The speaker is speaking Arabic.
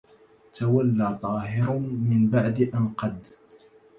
تولى طاهر من بعد أن قد